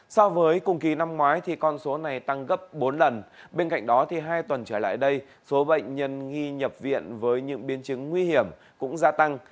so với cùng kỳ năm ngoái con số này tăng gấp bốn lần bên cạnh đó hai tuần trở lại đây số bệnh nhân nghi nhập viện với những biên chứng nguy hiểm cũng gia tăng